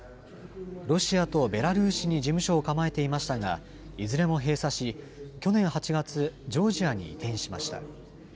ロシアとベラルーシに事務所を構えていましたが、いずれも閉鎖し、去年８月、ジョージアに移転しました。